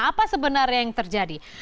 apa sebenarnya yang terjadi